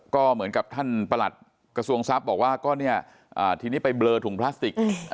ก็เหมือนกับท่านประหลัดกระทรวงทรัพย์บอกว่าก็เนี่ยทีนี้ไปเบลอถุงพลาสติก